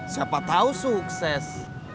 siapa tau sukses